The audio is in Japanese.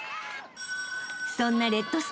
［そんなレッドスターズ